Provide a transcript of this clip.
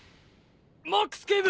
マックス警部！